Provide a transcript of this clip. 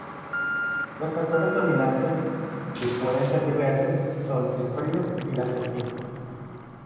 Los factores dominantes, que pueden ser diversos, son el frío y la sequía.